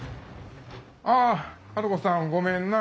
ああ治子さんごめんな。